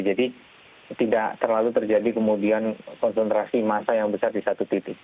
jadi tidak terlalu terjadi kemudian konsentrasi massa yang besar di satu titik